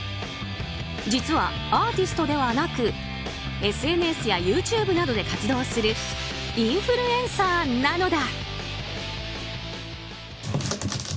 実は、アーティストではなくＳＮＳやＹｏｕＴｕｂｅなどで活動するインフルエンサーなのだ。